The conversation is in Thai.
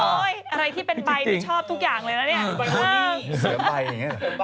อะไรที่เป็นใบดิชอบทุกอย่างเลยแล้วนี่บริเวณ